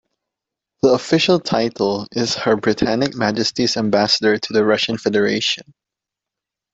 The official title is Her Britannic Majesty's Ambassador to the Russian Federation.